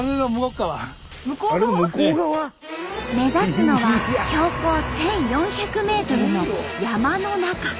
目指すのは標高１，４００ｍの山の中。